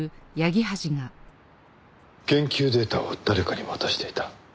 研究データを誰かに渡していた。